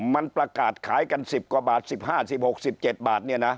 มันประกาศขายกัน๑๐กว่าบาท๑๕๑๖๑๗บาทเนี่ยนะ